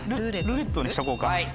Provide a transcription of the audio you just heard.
「ルーレット」にしとこうか。